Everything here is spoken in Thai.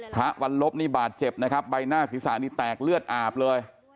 พระวันลบนี่บาดเจ็บนะครับใบหน้าศีรษะนี่แตกเลือดอาบเลย